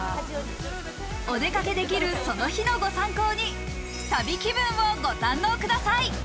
お出かけできるその日のご参考に、旅気分をご堪能ください。